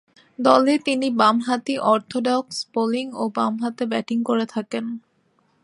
দলে তিনি বামহাতি অর্থোডক্স বোলিং ও বামহাতে ব্যাটিং করে থাকেন।